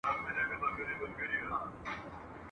«سر مشري» را منځته شوه